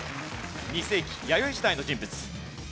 ２世紀弥生時代の人物。